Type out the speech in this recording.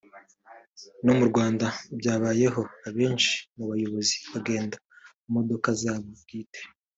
no mu Rwanda byabayeho abenshi mu bayobozi bagenda mu modoka zabo bwite